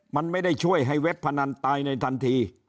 มันไม่ได้ช่วยให้เว็บพนันตายในทันที